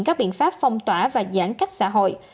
các biện pháp phong tỏa và giãn cách xã hội